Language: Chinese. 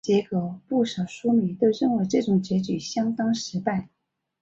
结果不少书迷都认为这种结局相当失败。